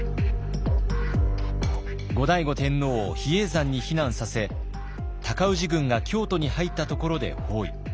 後醍醐天皇を比叡山に避難させ尊氏軍が京都に入ったところで包囲。